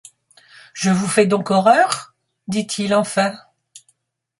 Je vous fais donc horreur ? dit-il enfin.